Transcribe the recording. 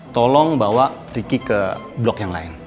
tolong bawa ricky ke blok yang lain